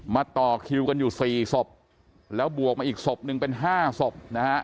ต่อคิวกันอยู่สี่ศพแล้วบวกมาอีกศพหนึ่งเป็นห้าศพนะฮะ